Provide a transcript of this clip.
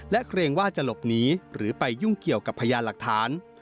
เกรงว่าจะหลบหนีหรือไปยุ่งเกี่ยวกับพยานหลักฐาน